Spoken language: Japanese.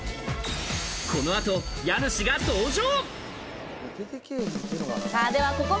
この後、家主が登場。